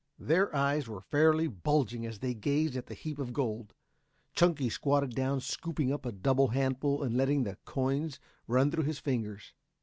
Their eyes were fairly bulging as they gazed at the heap of gold. Chunky squatted down scooping up a double handful and letting the coins run through his fingers.